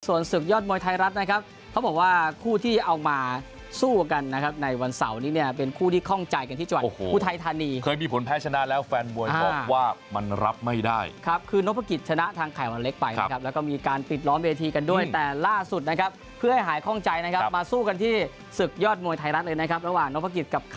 ส่วนศึกยอดมวยไทยรัตนะครับเค้าบอกว่าคู่ที่เอามา